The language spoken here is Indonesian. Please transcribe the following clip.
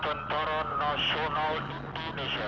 tentara nasional indonesia